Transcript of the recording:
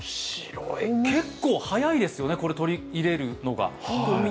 結構早いですよね、これ、取り入れるのが。